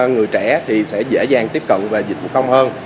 người trẻ thì sẽ dễ dàng tiếp cận về dịch vụ công hơn